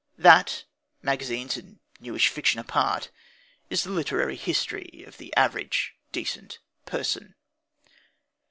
That, magazines and newish fiction apart, is the literary history of the average decent person.